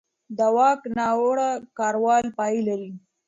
د واک ناوړه کارول پای لري